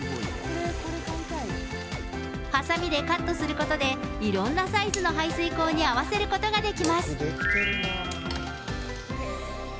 はさみでカットすることでいろんなサイズの排水口に合わせることができます。